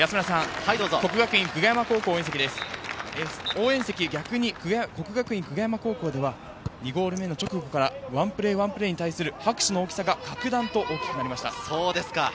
応援席、逆に國學院久我山高校では２ゴール目の直後からワンプレーワンプレーに対する拍手の大きさが格段と大きくなりました。